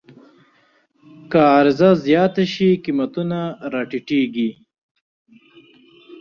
که عرضه زیاته شي، قیمتونه راټیټېږي.